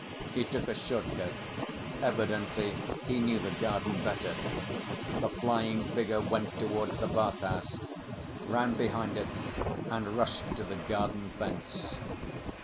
He took a short cut, evidently he knew the garden better; the flying figure went towards the bath‐house, ran behind it and rushed to the garden fence.